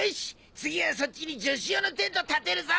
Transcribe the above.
次はそっちに女子用のテント建てるぞ！